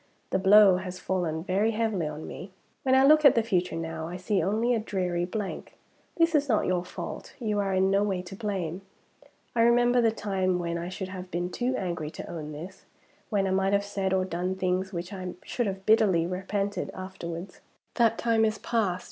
The blow has fallen very heavily on me. When I look at the future now, I see only a dreary blank. This is not your fault you are in no way to blame. I remember the time when I should have been too angry to own this when I might have said or done things which I should have bitterly repented afterwards. That time is past.